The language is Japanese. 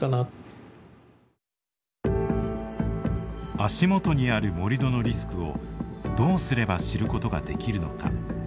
足元にある盛土のリスクをどうすれば知ることができるのか。